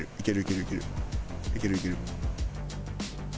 いけるいける。